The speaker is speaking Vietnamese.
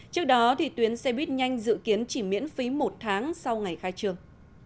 trước đó tuyến xe buýt nhanh dự kiến chỉ miễn phí một tháng sau ngày khai trường